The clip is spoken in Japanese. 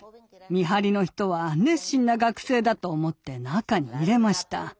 見張りの人は「熱心な学生だ」と思って中に入れました。